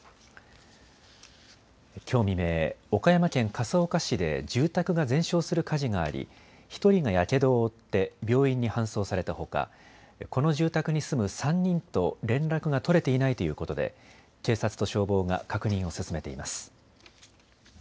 きょう未明、岡山県笠岡市で住宅が全焼する火事があり１人がやけどを負って病院に搬送されたほかこの住宅に住む３人と連絡が取れていないということで警察と消防が確認を進めています。